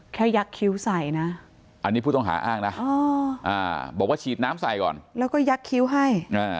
ยักษ์คิ้วใส่นะอันนี้ผู้ต้องหาอ้างนะบอกว่าฉีดน้ำใส่ก่อนแล้วก็ยักษิ้วให้